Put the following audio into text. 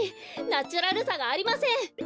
ナチュラルさがありません！